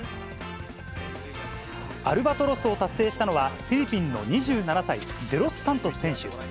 アルバトロスを達成したのは、フィリピンの２７歳、デロスサントス選手。